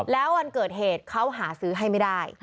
แล้ววันเกิดเหตุเขาหาซื้อให้ไม่ได้